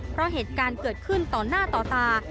เพราะเหตุการณ์เกิดขึ้นต่อหน้าต่อตา